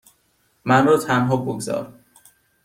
من را تنها بگذار.